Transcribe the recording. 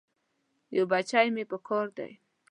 یو بچی مې پکار دی.